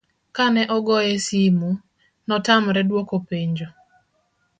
kane ogoye simo, notamore dwoko penjo